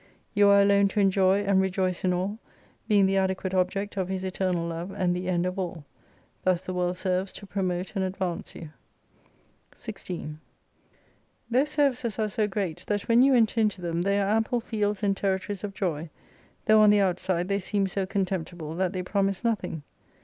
You are alone to enjoy and rejoice m all, being the adequate object of His eternal love, and the end of all. Thus the world serves to promote and advance you. 16 Those services are so great, that when you enter into them, they are ample fields and territories of joy : though on the outside they seem so contemptible, that they promise nothing.